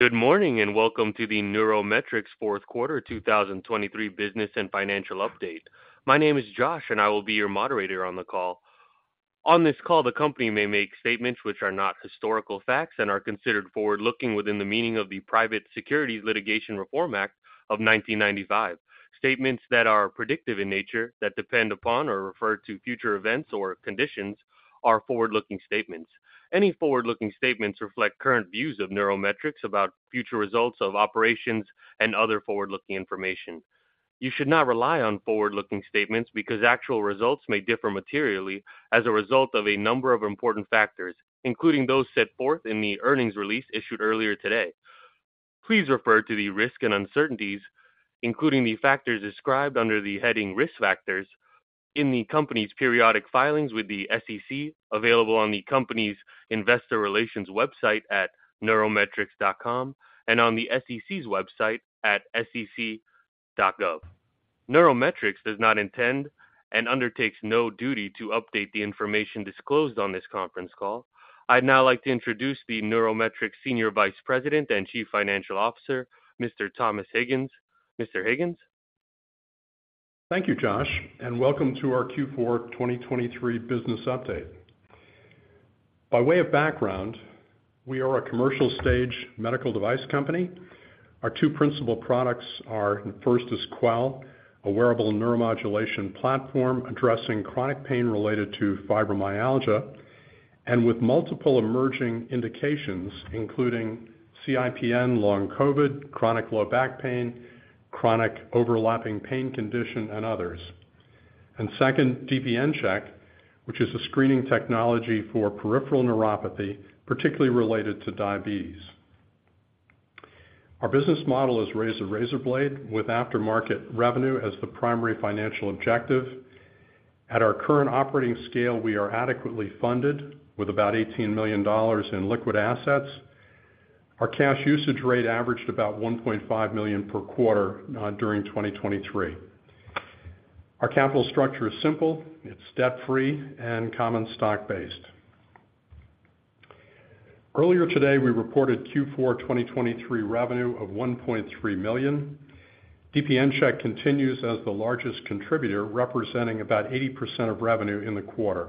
Good morning, and welcome to the NeuroMetrix Q4 2023 Business and Financial Update. My name is Josh, and I will be your moderator on the call. On this call, the company may make statements which are not historical facts and are considered forward-looking within the meaning of the Private Securities Litigation Reform Act of 1995. Statements that are predictive in nature, that depend upon or refer to future events or conditions are forward-looking statements. Any forward-looking statements reflect current views of NeuroMetrix about future results of operations and other forward-looking information. You should not rely on forward-looking statements because actual results may differ materially as a result of a number of important factors, including those set forth in the earnings release issued earlier today. Please refer to the risk and uncertainties, including the factors described under the heading Risk Factors in the company's periodic filings with the SEC, available on the company's investor relations website at neurometrix.com, and on the SEC's website at sec.gov. NeuroMetrix does not intend and undertakes no duty to update the information disclosed on this conference call. I'd now like to introduce the NeuroMetrix Senior Vice President and Chief Financial Officer, Mr. Thomas Higgins. Mr. Higgins? Thank you, Josh, and welcome to our Q4 2023 Business Update. By way of background, we are a commercial stage medical device company. Our two principal products are, first is Quell, a wearable neuromodulation platform addressing chronic pain related to fibromyalgia, and with multiple emerging indications, including CIPN, Long COVID, chronic low back pain, chronic overlapping pain condition, and others. Second, DPNCheck, which is a screening technology for peripheral neuropathy, particularly related to diabetes. Our business model is razor-razorblade with aftermarket revenue as the primary financial objective. At our current operating scale, we are adequately funded with about $18 million in liquid assets. Our cash usage rate averaged about $1.5 million per quarter during 2023. Our capital structure is simple. It's debt-free and common stock-based. Earlier today, we reported Q4 2023 revenue of $1.3 million. DPNCheck continues as the largest contributor, representing about 80% of revenue in the quarter.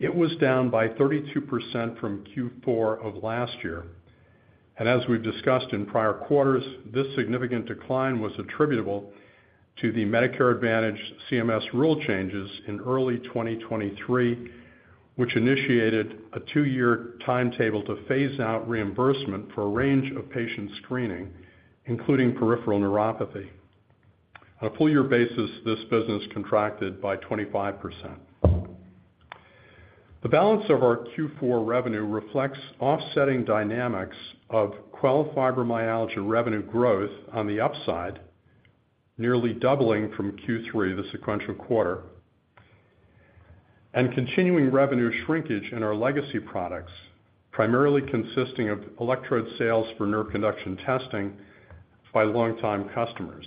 It was down by 32% from Q4 of last year. And as we've discussed in prior quarters, this significant decline was attributable to the Medicare Advantage CMS rule changes in early 2023, which initiated a two-year timetable to phase out reimbursement for a range of patient screening, including peripheral neuropathy. On a full year basis, this business contracted by 25%. The balance of our Q4 revenue reflects offsetting dynamics of Quell Fibromyalgia revenue growth on the upside, nearly doubling from Q3, the sequential quarter, and continuing revenue shrinkage in our legacy products, primarily consisting of electrode sales for nerve conduction testing by longtime customers.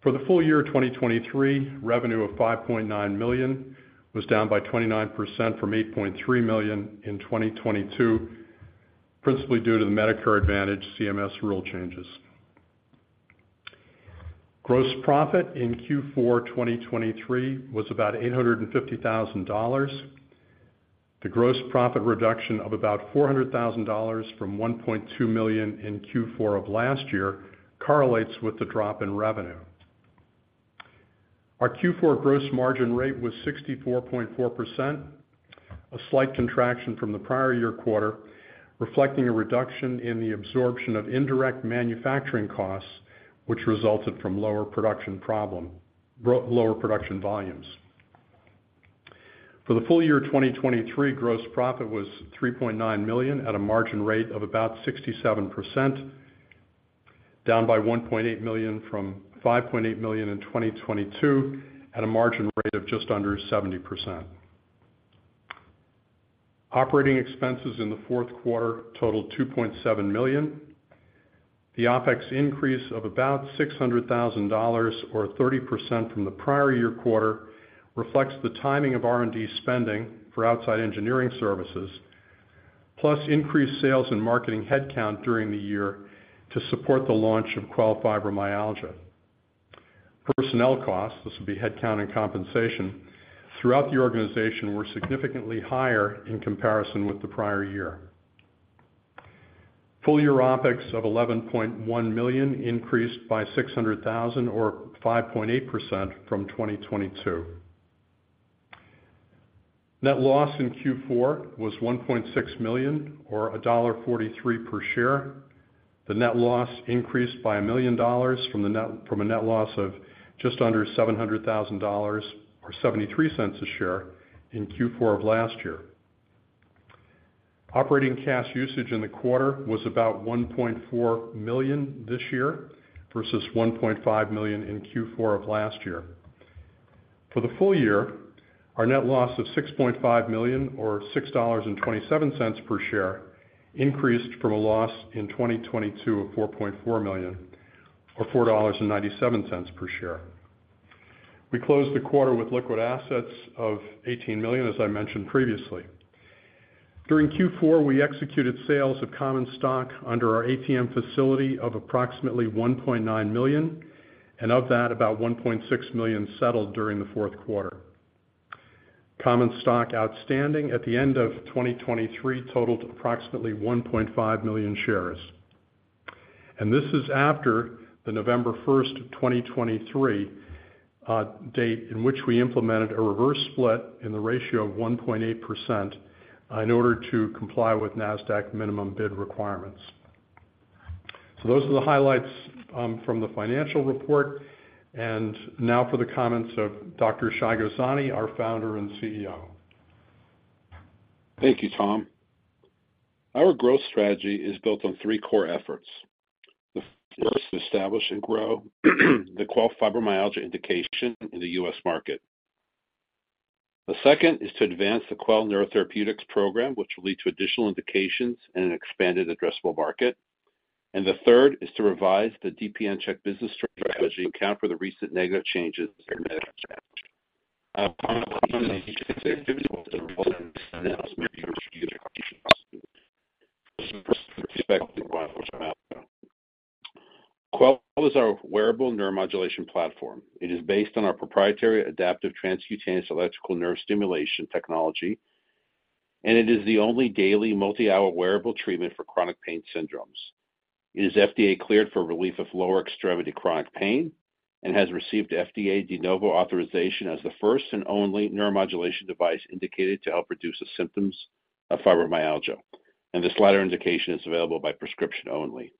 For the full year 2023, revenue of $5.9 million was down by 29% from $8.3 million in 2022, principally due to the Medicare Advantage CMS rule changes. Gross profit in Q4 2023 was about $850,000. The gross profit reduction of about $400,000 from $1.2 million in Q4 of last year correlates with the drop in revenue. Our Q4 gross margin rate was 64.4%, a slight contraction from the prior year quarter, reflecting a reduction in the absorption of indirect manufacturing costs, which resulted from lower production volumes. For the full year 2023, gross profit was $3.9 million at a margin rate of about 67%, down by $1.8 million from $5.8 million in 2022, at a margin rate of just under 70%. Operating expenses in the Q4 totaled $2.7 million. The OpEx increase of about $600,000 or 30% from the prior year quarter reflects the timing of R&D spending for outside engineering services, plus increased sales and marketing headcount during the year to support the launch of Quell Fibromyalgia. Personnel costs, this will be headcount and compensation, throughout the organization were significantly higher in comparison with the prior year. Full year OpEx of $11.1 million increased by $600,000 or 5.8% from 2022. Net loss in Q4 was $1.6 million or $1.43 per share. The net loss increased by $1 million from a net loss of just under $700,000 or $0.73 per share in Q4 of last year. Operating cash usage in the quarter was about $1.4 million this year versus $1.5 million in Q4 of last year. For the full year, our net loss of $6.5 million or $6.27 per share increased from a loss in 2022 of $4.4 million or $4.97 per share. We closed the quarter with liquid assets of $18 million, as I mentioned previously. During Q4, we executed sales of common stock under our ATM facility of approximately $1.9 million, and of that, about $1.6 million settled during the Q4. Common stock outstanding at the end of 2023 totaled approximately 1.5 million shares. And this is after the November 1st, 2023, date, in which we implemented a reverse split in the ratio of 1.8%, in order to comply with NASDAQ minimum bid requirements. So those are the highlights, from the financial report. And now for the comments of Dr. Shai Gozani, our founder and CEO. Thank you, Tom. Our growth strategy is built on three core efforts. The first, to establish and grow the Quell Fibromyalgia indication in the U.S. market. The second is to advance the Quell neurotherapeutics program, which will lead to additional indications and an expanded addressable market. The third is to revise the DPNCheck business strategy to account for the recent negative changes in Medicare Advantage. I'll comment on each of these activities and provide an announcement regarding a strategic partnership possibility. Quell is our wearable neuromodulation platform. It is based on our proprietary adaptive transcutaneous electrical nerve stimulation technology, and it is the only daily multi-hour wearable treatment for chronic pain syndromes. It is FDA-cleared for relief of lower extremity chronic pain and has received FDA De Novo authorization as the first and only neuromodulation device indicated to help reduce the symptoms of fibromyalgia, and this latter indication is available by prescription only.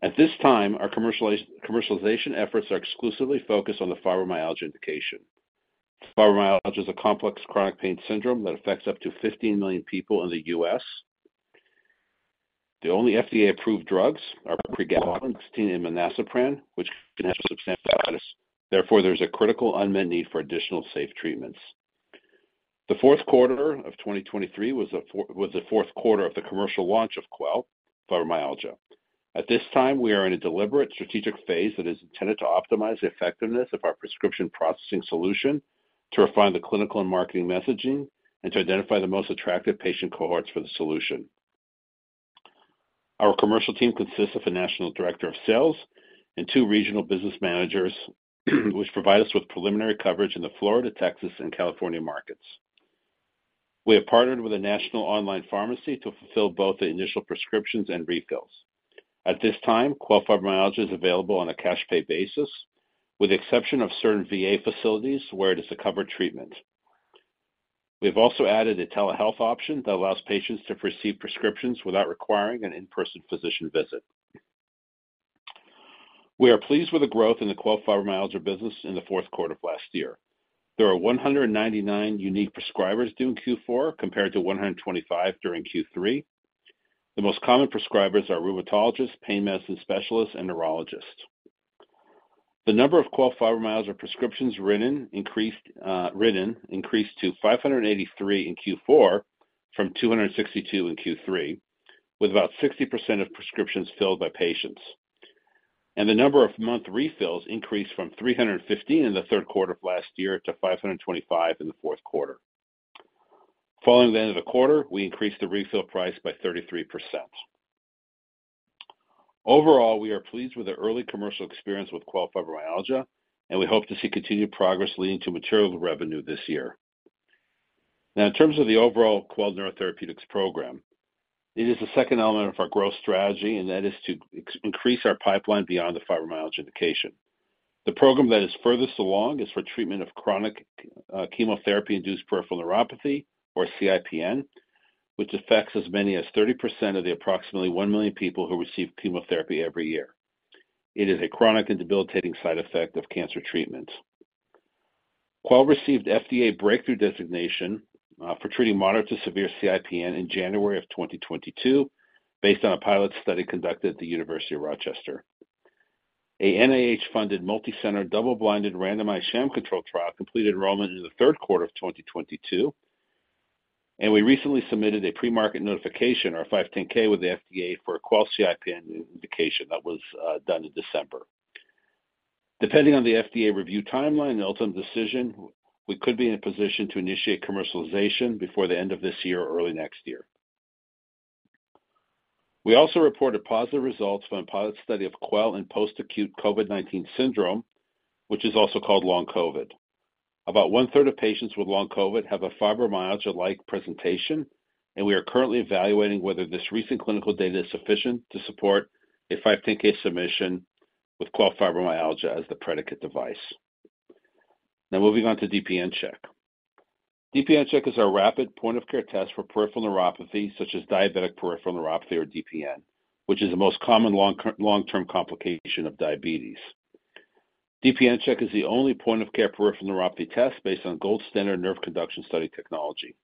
At this time, our commercialization efforts are exclusively focused on the fibromyalgia indication. Fibromyalgia is a complex chronic pain syndrome that affects up to 15 million people in the U.S. The only FDA-approved drugs are pregabalin and milnacipran, which can have substantial side effects. Therefore, there's a critical unmet need for additional safe treatments. The Q4 of 2023 was the Q4 of the commercial launch of Quell Fibromyalgia. At this time, we are in a deliberate strategic phase that is intended to optimize the effectiveness of our prescription processing solution, to refine the clinical and marketing messaging, and to identify the most attractive patient cohorts for the solution. Our commercial team consists of a national director of sales and two regional business managers, which provide us with preliminary coverage in the Florida, Texas, and California markets. We have partnered with a national online pharmacy to fulfill both the initial prescriptions and refills. At this time, Quell Fibromyalgia is available on a cash pay basis, with the exception of certain VA facilities where it is a covered treatment. We've also added a telehealth option that allows patients to receive prescriptions without requiring an in-person physician visit. We are pleased with the growth in the Quell Fibromyalgia business in the Q4 of last year. There are 199 unique prescribers during Q4, compared to 125 during Q3. The most common prescribers are rheumatologists, pain medicine specialists, and neurologists. The number of Quell Fibromyalgia prescriptions written increased to 583 in Q4 from 262 in Q3, with about 60% of prescriptions filled by patients. The number of month refills increased from 315 in the Q3 of last year to 525 in the Q4. Following the end of the quarter, we increased the refill price by 33%. Overall, we are pleased with the early commercial experience with Quell Fibromyalgia, and we hope to see continued progress leading to material revenue this year. Now, in terms of the overall Quell neurotherapeutics program, it is the second element of our growth strategy, and that is to increase our pipeline beyond the fibromyalgia indication. The program that is furthest along is for treatment of chronic, chemotherapy-induced peripheral neuropathy, or CIPN, which affects as many as 30% of the approximately 1,000,000 people who receive chemotherapy every year. It is a chronic and debilitating side effect of cancer treatments. Quell received FDA Breakthrough Designation for treating moderate to severe CIPN in January 2022, based on a pilot study conducted at the University of Rochester. A NIH-funded, multicenter, double-blinded, randomized sham-controlled trial completed enrollment in the Q3 of 2022, and we recently submitted a premarket notification, or a 510(k), with the FDA for a Quell CIPN indication. That was done in December. Depending on the FDA review timeline and the ultimate decision, we could be in a position to initiate commercialization before the end of this year or early next year. We also reported positive results from a pilot study of Quell in post-acute COVID-19 syndrome, which is also called long COVID. About one-third of patients with long COVID have a fibromyalgia-like presentation, and we are currently evaluating whether this recent clinical data is sufficient to support a 510(k) submission with Quell Fibromyalgia as the predicate device. Now moving on to DPNCheck. DPNCheck is our rapid point-of-care test for peripheral neuropathy, such as diabetic peripheral neuropathy or DPN, which is the most common long-term complication of diabetes. DPNCheck is the only point-of-care peripheral neuropathy test based on gold standard nerve conduction study technology.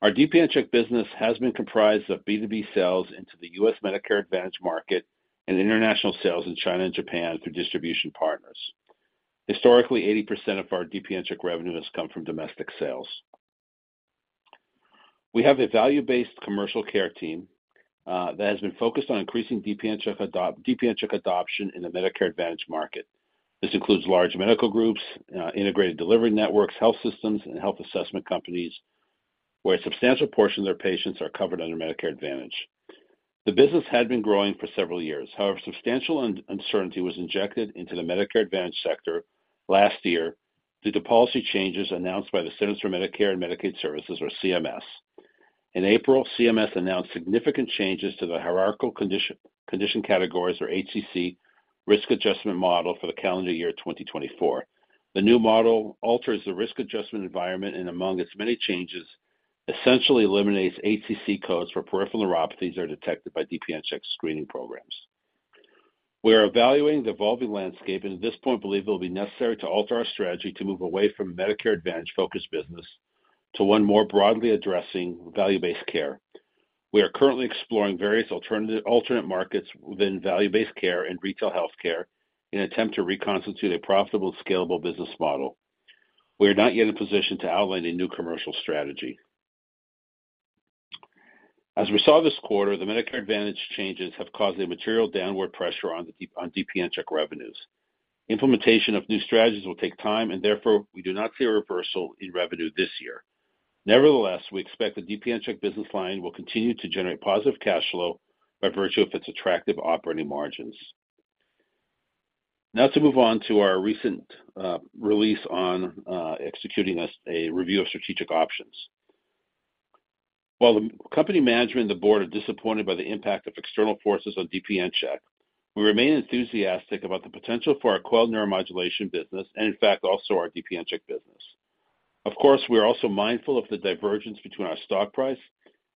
Our DPNCheck business has been comprised of B2B sales into the U.S. Medicare Advantage market and international sales in China and Japan through distribution partners. Historically, 80% of our DPNCheck revenue has come from domestic sales. We have a value-based commercial care team that has been focused on increasing DPNCheck adoption in the Medicare Advantage market. This includes large medical groups, integrated delivery networks, health systems, and health assessment companies, where a substantial portion of their patients are covered under Medicare Advantage. The business had been growing for several years. However, substantial uncertainty was injected into the Medicare Advantage sector last year due to policy changes announced by the Centers for Medicare and Medicaid Services, or CMS. In April, CMS announced significant changes to the Hierarchical Condition Categories, or HCC, risk adjustment model for the calendar year 2024. The new model alters the risk adjustment environment, and among its many changes, essentially eliminates HCC codes for peripheral neuropathies that are detected by DPNCheck screening programs. We are evaluating the evolving landscape, and at this point, believe it will be necessary to alter our strategy to move away from Medicare Advantage-focused business to one more broadly addressing value-based care. We are currently exploring various alternate markets within value-based care and retail healthcare in an attempt to reconstitute a profitable, scalable business model. We are not yet in a position to outline a new commercial strategy. As we saw this quarter, the Medicare Advantage changes have caused a material downward pressure on the DPNCheck revenues. Implementation of new strategies will take time, and therefore, we do not see a reversal in revenue this year. Nevertheless, we expect the DPNCheck business line will continue to generate positive cash flow by virtue of its attractive operating margins. Now to move on to our recent release on executing a review of strategic options. While the company management and the board are disappointed by the impact of external forces on DPNCheck, we remain enthusiastic about the potential for our Quell neuromodulation business and in fact, also our DPNCheck business. Of course, we are also mindful of the divergence between our stock price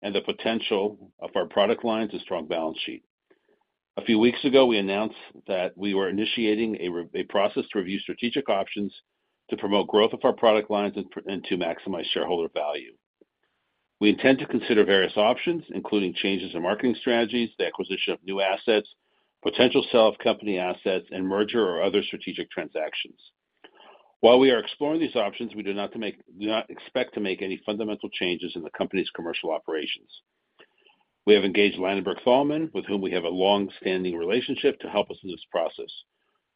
and the potential of our product lines and strong balance sheet. A few weeks ago, we announced that we were initiating a process to review strategic options to promote growth of our product lines and to maximize shareholder value. We intend to consider various options, including changes in marketing strategies, the acquisition of new assets, potential sale of company assets, and merger or other strategic transactions. While we are exploring these options, we do not expect to make any fundamental changes in the company's commercial operations. We have engaged Ladenburg Thalmann, with whom we have a long-standing relationship, to help us in this process.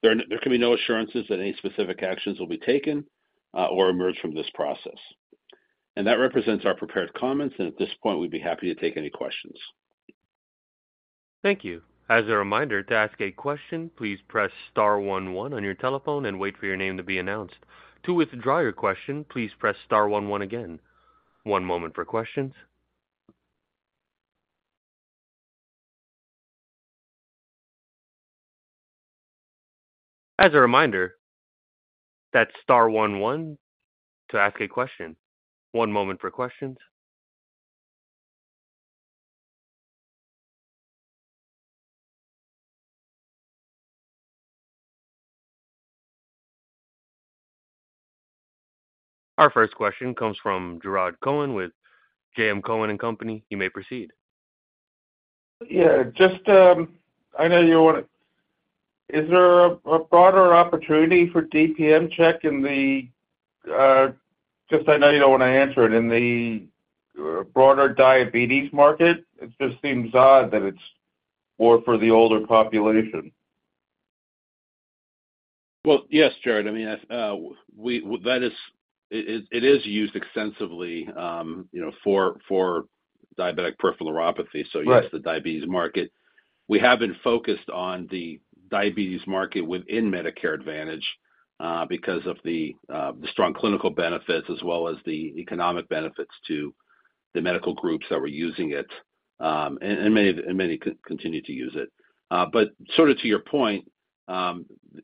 There can be no assurances that any specific actions will be taken or emerge from this process. That represents our prepared comments, and at this point, we'd be happy to take any questions. Thank you. As a reminder, to ask a question, please press star one one on your telephone and wait for your name to be announced. To withdraw your question, please press star one one again. One moment for questions. As a reminder, that's star one one to ask a question. One moment for questions. Our first question comes from Jarrod Cohen with JM Cohen and Company. You may proceed. Yeah, just, I know you wanna... Is there a broader opportunity for DPNCheck in the, just I know you don't want to answer it, in the broader diabetes market? It just seems odd that it's more for the older population. Well, yes, Jarrod, I mean, we, that is, it is used extensively, you know, for diabetic peripheral neuropathy. Right. So yes, the diabetes market. We have been focused on the diabetes market within Medicare Advantage, because of the strong clinical benefits as well as the economic benefits to the medical groups that were using it. And many continue to use it. But sort of to your point,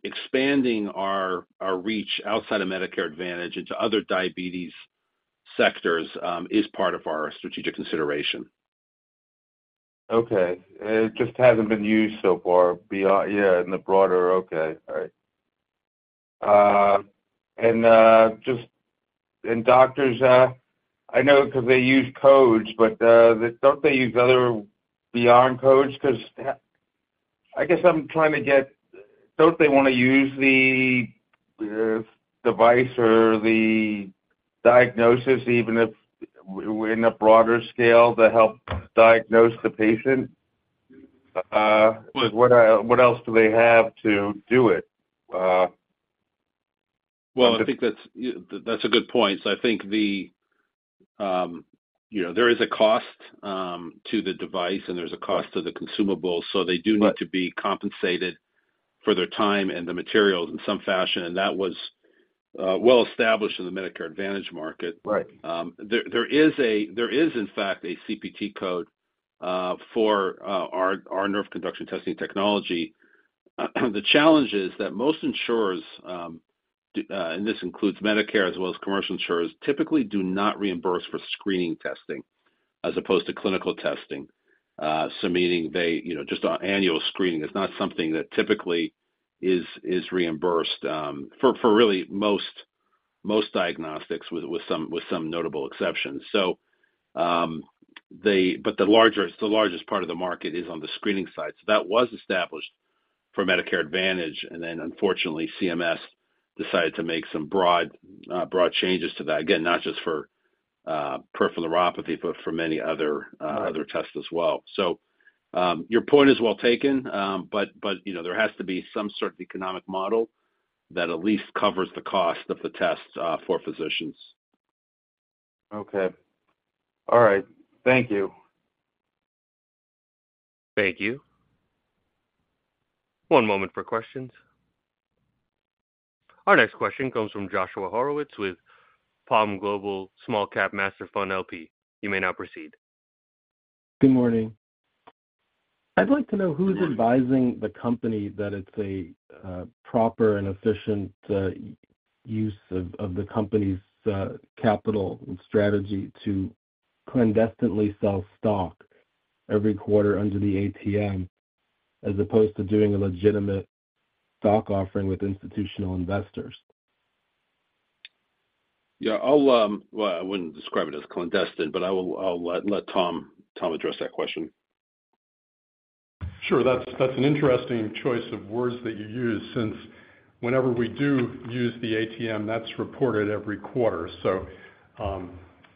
expanding our reach outside of Medicare Advantage into other diabetes sectors is part of our strategic consideration. Okay. It just hasn't been used so far beyond, yeah, in the broader... Okay. All right. And just and doctors, I know 'cause they use codes, but don't they use other beyond codes? 'Cause I guess I'm trying to get... Don't they want to use the device or the diagnosis, even if in a broader scale, to help diagnose the patient? Well- What, what else do they have to do it? Well, I think that's a good point. So I think, you know, there is a cost to the device, and there's a cost to the consumables. Right. So they do need to be compensated for their time and the materials in some fashion, and that was, well established in the Medicare Advantage market. Right. There is, in fact, a CPT code for our nerve conduction testing technology. The challenge is that most insurers, and this includes Medicare as well as commercial insurers, typically do not reimburse for screening testing as opposed to clinical testing. So meaning they, you know, just an annual screening, it's not something that typically is reimbursed for really most diagnostics with some notable exceptions. But the largest part of the market is on the screening side. That was established for Medicare Advantage, and then unfortunately, CMS decided to make some broad changes to that. Again, not just for peripheral neuropathy, but for many other tests as well. Your point is well taken. But, you know, there has to be some sort of economic model that at least covers the cost of the test, for physicians. Okay. All right. Thank you. Thank you. One moment for questions. Our next question comes from Joshua Horowitz with Palm Global Small Cap Master Fund LP. You may now proceed. Good morning. I'd like to know who's advising the company that it's a proper and efficient use of the company's capital and strategy to clandestinely sell stock every quarter under the ATM, as opposed to doing a legitimate stock offering with institutional investors? Yeah, well, I wouldn't describe it as clandestine, but I'll let Tom address that question. Sure. That's, that's an interesting choice of words that you use, since whenever we do use the ATM, that's reported every quarter. So,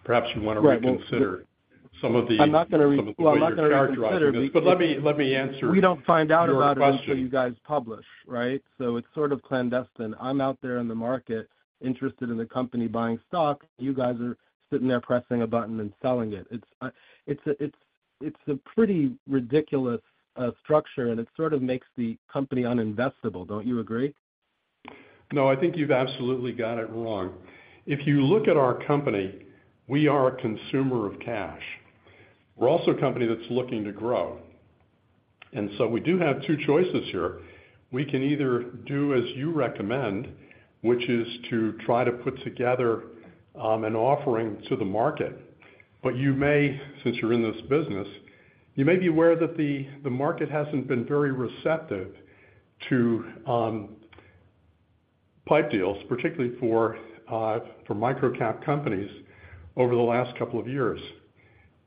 perhaps you wanna- Right, well- - reconsider some of the- I'm not gonna re- Some of the way you're characterizing this. Well, I'm not gonna reconsider, because- But let me, let me answer- We don't find out about it- - your question... until you guys publish, right? So it's sort of clandestine. I'm out there in the market interested in the company buying stock. You guys are sitting there pressing a button and selling it. It's a pretty ridiculous structure, and it sort of makes the company uninvestable, don't you agree? No, I think you've absolutely got it wrong. If you look at our company, we are a consumer of cash. We're also a company that's looking to grow, and so we do have two choices here. We can either do as you recommend, which is to try to put together an offering to the market, but you may, since you're in this business, you may be aware that the market hasn't been very receptive to PIPE deals, particularly for microcap companies over the last couple of years.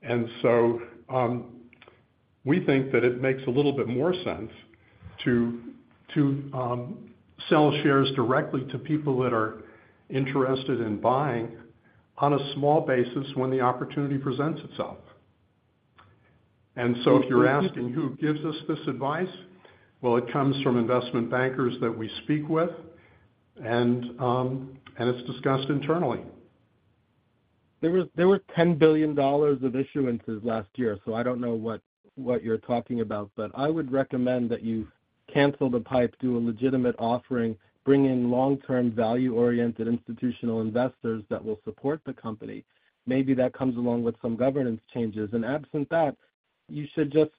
And so, we think that it makes a little bit more sense to sell shares directly to people that are interested in buying on a small basis when the opportunity presents itself. So if you're asking who gives us this advice, well, it comes from investment bankers that we speak with, and it's discussed internally. There was, there were $10 billion of issuances last year, so I don't know what, what you're talking about. But I would recommend that you cancel the PIPE, do a legitimate offering, bringing long-term, value-oriented institutional investors that will support the company. Maybe that comes along with some governance changes. And absent that, you should just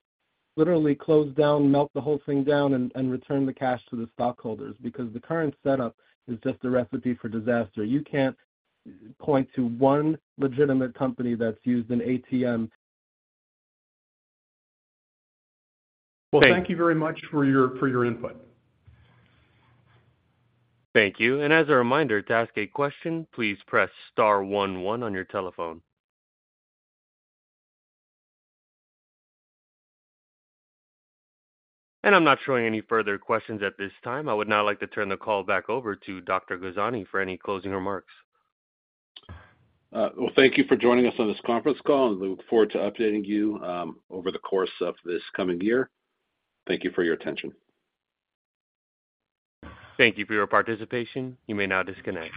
literally close down, melt the whole thing down and, and return the cash to the stockholders, because the current setup is just a recipe for disaster. You can't point to one legitimate company that's used an ATM- Well, thank you very much for your input. Thank you. As a reminder, to ask a question, please press star one one on your telephone. I'm not showing any further questions at this time. I would now like to turn the call back over to Dr. Gozani for any closing remarks. Well, thank you for joining us on this conference call, and look forward to updating you over the course of this coming year. Thank you for your attention. Thank you for your participation. You may now disconnect.